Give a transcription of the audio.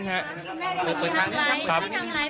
ไม่ทำร้ายแฟนเพราะยาเสพติดใช่ไหมครับ